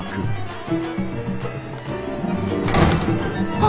・あ！